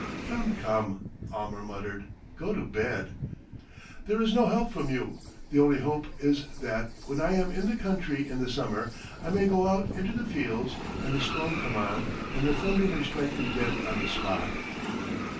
'" "Come, come," Almer muttered, "go to bed." "There is no help from you; the only hope is that, when I am in the country in the summer, I may go out into the fields and a storm come on and the thunder may strike me dead on the spot.